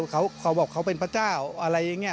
เขาบอกเขาเป็นพระเจ้าอะไรอย่างนี้